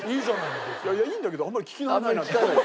いやいいんだけどあんまり聞き慣れないな。